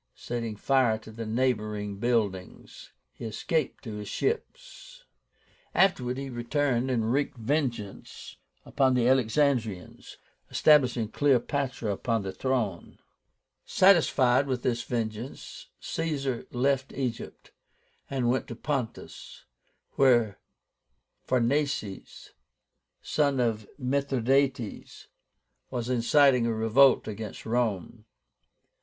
Setting fire to the neighboring buildings, he escaped to his ships. Afterwards he returned and wreaked vengeance upon the Alexandrians, establishing CLEOPÁTRA upon the throne (47). Satisfied with this vengeance, Caesar left Egypt, and went to Pontus, where PHARNACES, son of Mithradátes, was inciting a revolt against Rome.